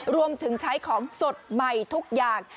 รวมถึงใช้ของสดใหม่ทุกอย่าง